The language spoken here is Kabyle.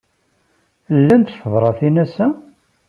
Llant tebṛatin ass-a?